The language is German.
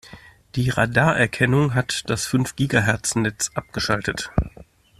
Die Radarerkennung hat das fünf Gigahertz-Netz abgeschaltet.